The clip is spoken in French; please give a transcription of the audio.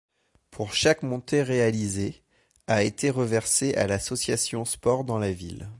Pour chaque montée réalisée, a été reversé à l’Association Sport dans la Ville.